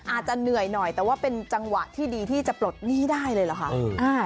อาจจะเหนื่อยหน่อยแต่ว่าเป็นจังหวะที่ดีที่จะปลดหนี้ได้เลยเหรอคะ